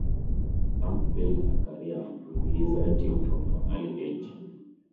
Lamb built a career with his writing from an early age.